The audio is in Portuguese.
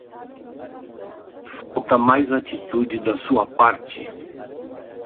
Falta mais atitude da sua parte